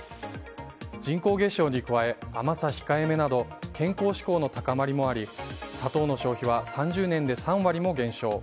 人口減少に加え甘さ控えめなど健康志向の高まりもあり砂糖の消費は３０年で３割も減少。